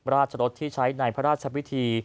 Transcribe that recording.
ราชรสที่ใช้ในพระราชพิธี